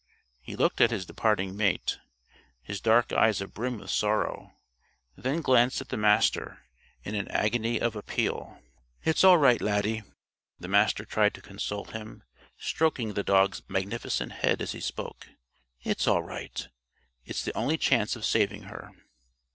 He looked at his departing mate, his dark eyes abrim with sorrow, then glanced at the Master in an agony of appeal. "It's all right, Laddie," the Master tried to console him, stroking the dog's magnificent head as he spoke. "It's all right. It's the only chance of saving her."